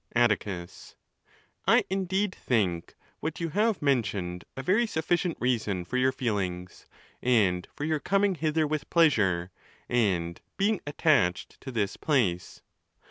IT. Attecus.—I indeed think what you have mentioned a very sufficient reason for your feelings, and for your coming hither with pleasure, and being attached to this place.